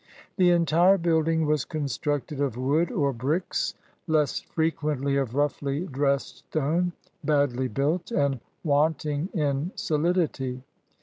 The entire building was constructed of wood or bricks, less frequently of roughly dressed stone, badly built, and wanting in soUdity.